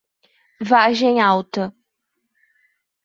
Vargem Alta